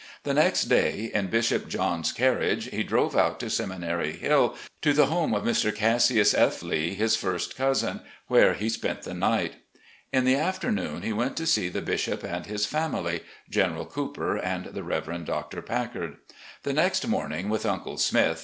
The next day, in Bishop Johns' carriage, he drove out to Seminary Hill to the home of Mr. Cassius F. Lee, his first cousin, where he spent the night. In the afternoon he went to see the bishop and his family — General Cooper and the Reverend Dr. Packard. The next morning, with Uncle Smith, he *Mis.